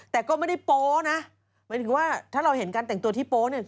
แต่ก็ไม่ได้โป๊นะหมายถึงว่าถ้าเราเห็นการแต่งตัวที่โป๊เนี่ย